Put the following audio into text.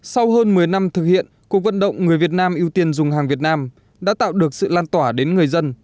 sau hơn một mươi năm thực hiện cuộc vận động người việt nam ưu tiên dùng hàng việt nam đã tạo được sự lan tỏa đến người dân